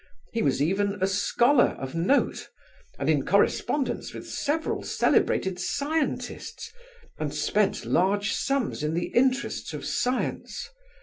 He was even a scholar of note, and in correspondence with several celebrated scientists, and spent large sums in the interests of science.